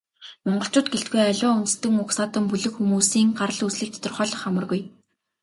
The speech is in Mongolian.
Монголчууд гэлтгүй, аливаа үндэстэн угсаатан, бүлэг хүмүүсийн гарал үүслийг тодорхойлох амаргүй.